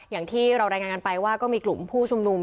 อย่างที่เรารายงานกันไปว่าก็มีกลุ่มผู้ชุมนุม